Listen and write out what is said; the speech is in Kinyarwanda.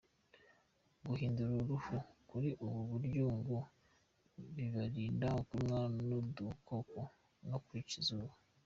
Guhindura uruhu kuri ubu buryo ngo bibarinda kurumwa n’ udukoko no kwicwa n’ izuba.